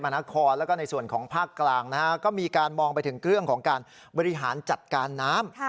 นครแล้วก็ในส่วนของภาคกลางนะฮะก็มีการมองไปถึงเรื่องของการบริหารจัดการน้ำ